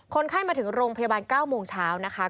คนไข้มาถึงโรงพยาบาล๙โมงเช้านะคะ